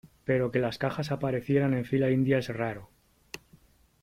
pero que las cajas aparecieran en fila india es raro .